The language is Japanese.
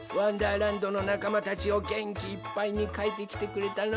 らんど」のなかまたちをげんきいっぱいにかいてきてくれたのう！